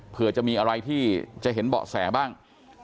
เผื่อจะมีอะไรที่จะเห็นเบาะแสบ้าง